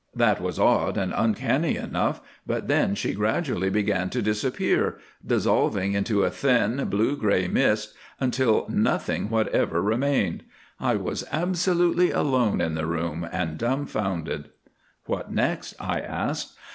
"That was odd and uncanny enough, but then she gradually began to disappear, dissolving into a thin blue grey mist, until nothing whatever remained—I was absolutely alone in the room and dumfoundered." "What next?" I asked.